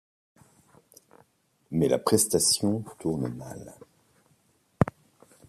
Mais la prestation tourne mal.